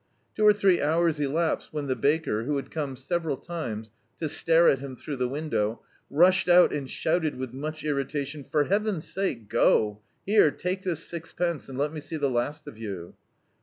Two or three hours elapsed when the baker, who bad come several times to stare at him through the window, rushed out and shouted with much irrita tion — "For Heaven's sake, go: here, take this six pence, and let me see the last of you."